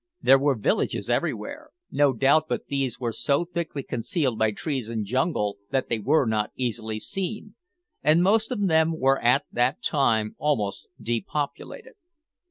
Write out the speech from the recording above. There were villages everywhere, no doubt but these were so thickly concealed by trees and jungle that they were not easily seen, and most of them were at that time almost depopulated.